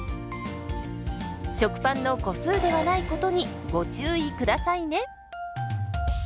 食パンの個数ではないことにご注意下さいね。